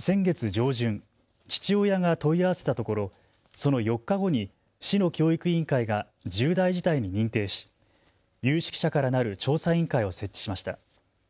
先月上旬、父親が問い合わせたところ、その４日後に市の教育委員会が重大事態に認定し有識者からなる調査委員会を設置しました。